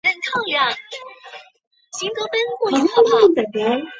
吴氏光水蚤为光水蚤科光水蚤属下的一个种。